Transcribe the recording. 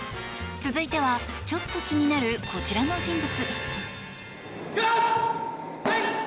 続いてはちょっと気になるこちらの人物。